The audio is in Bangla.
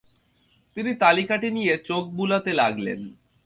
তিনি তালিকাটি নিয়ে চোখ বুলাতে লাগলেন।